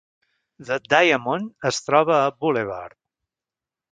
The Diamond es troba a Boulevard.